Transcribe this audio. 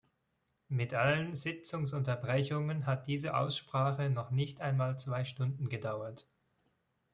Mit allen Sitzungsunterbrechungen hat diese Aussprache noch nicht einmal zwei Stunden gedauert.